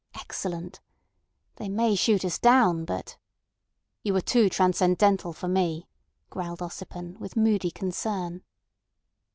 Excellent. They may shoot us down, but—" "You are too transcendental for me," growled Ossipon, with moody concern.